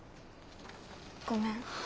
ごめん。